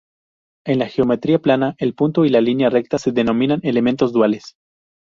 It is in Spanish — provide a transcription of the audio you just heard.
En la geometría plana el punto y la línea recta se denominan elementos duales.